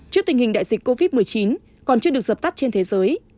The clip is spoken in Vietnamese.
trước tình hình đại dịch covid một mươi chín còn chưa được dập tắt trên thế giới